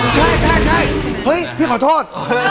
ใช่เฮ้ยพี่ขอโทษ